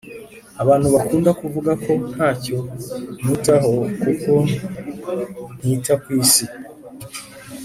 Abantu bakunda kuvuga ko ntacyo nitaho kuko ntita kw’isi